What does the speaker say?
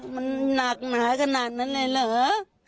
มันหนักหนาขนาดนั้นเลยเหรอ